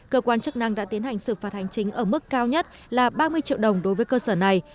cơ quan chức năng đã tiến hành xử phạt hành chính ở mức cao nhất là ba mươi triệu đồng đối với cơ sở này